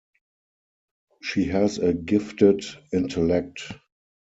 She has a gifted intellect.